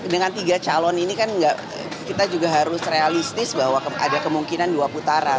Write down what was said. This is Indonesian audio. dengan tiga calon ini kan kita juga harus realistis bahwa ada kemungkinan dua putaran